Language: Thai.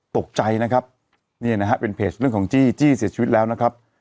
ตกใจนะครับเนี่ยนะฮะเป็นเพจเรื่องของจี้จี้เสียชีวิตแล้วนะครับ